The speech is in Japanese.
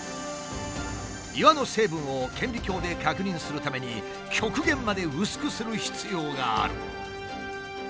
岩の成分を顕微鏡で確認するために極限まで薄くする必要がある。